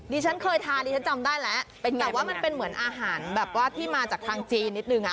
ฉันเคยทานดิฉันจำได้แล้วแต่ว่ามันเป็นเหมือนอาหารแบบว่าที่มาจากทางจีนนิดนึงอ่ะ